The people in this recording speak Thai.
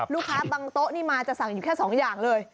บางโต๊ะนี่มาจะสั่งอยู่แค่๒อย่างเลย